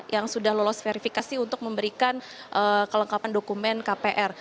yang sudah lolos verifikasi untuk memberikan kelengkapan dokumen kpr